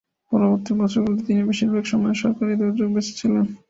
পরবর্তী বছরগুলোতে তিনি বেশিরভাগ সময় সরকারি দুর্যোগে বেঁচে ছিলেন।